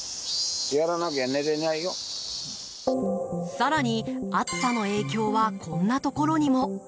更に暑さの影響はこんなところにも。